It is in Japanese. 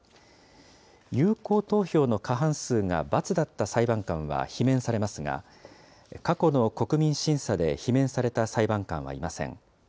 有効投票の過半数が×だった裁判官は罷免されますが、過去の国民審査で罷免された裁判官はいません。